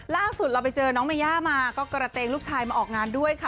ล่าสุดเราไปเจอน้องเมย่ามาก็กระเตงลูกชายมาออกงานด้วยค่ะ